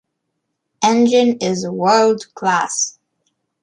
Engine is world class.